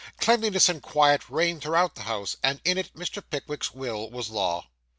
Cleanliness and quiet reigned throughout the house; and in it Mr. Pickwick's will was law.